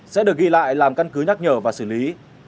sẽ được ghi lại làm căn cứ nhắc nhở và xử lý